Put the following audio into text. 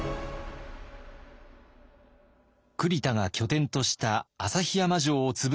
栗田が拠点とした旭山城を潰すなど